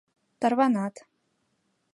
Тарванат.